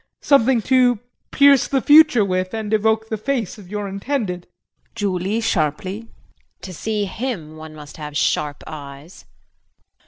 Something to pierce the future with and evoke the face of your intended? JULIE [Sharply]. To see him one must have sharp eyes.